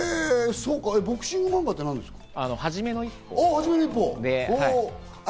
ボクシング漫画って何ですか？